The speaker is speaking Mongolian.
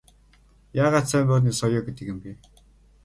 Яагаад сайн морины соёо гэдэг юм бэ?